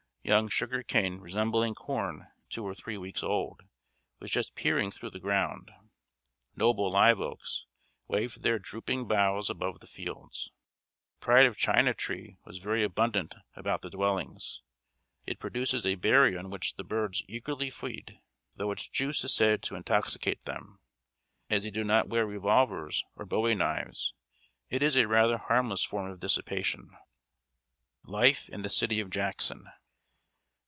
Young sugar cane, resembling corn two or three weeks old, was just peering through the ground. Noble live oaks waved their drooping boughs above the fields. The Pride of China tree was very abundant about the dwellings. It produces a berry on which the birds eagerly feed, though its juice is said to intoxicate them. As they do not wear revolvers or bowie knives, it is rather a harmless form of dissipation. [Sidenote: LIFE IN THE CITY OF JACKSON.